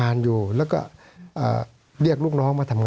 สวัสดีครับทุกคน